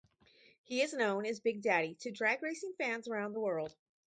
He is known as "Big Daddy" to drag racing fans around the world.